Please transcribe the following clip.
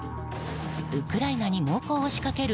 ウクライナに猛攻を仕掛ける